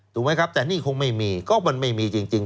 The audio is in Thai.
แต่นี่คงไม่มีก็มันไม่มีจริง